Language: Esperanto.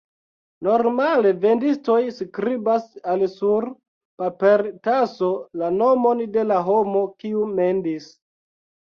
Normale vendistoj skribas al sur papertaso la nomon de la homo, kiu mendis.